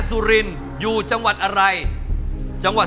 กรุงเทพหมดเลยครับ